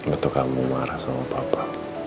itu kamu marah sama papa